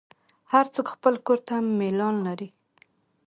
هر څوک خپل کور ته میلان لري.